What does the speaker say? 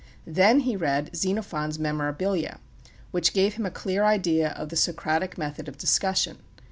Then he read Xenophon's "Memorabilia," which gave him a clear idea of the Socratic method of discussion.